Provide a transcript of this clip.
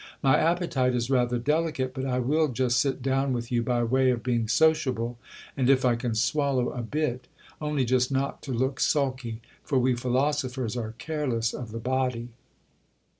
My appetite is rather delicate, but I will just sit down with you by way of being sociable, and if I can swallow a bit ! only just not to look sulky ; for we philosophers are careless of the body.